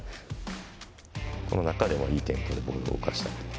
この中でも、いいテンポでボールを動かした。